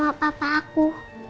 memang kenapa mama papa aku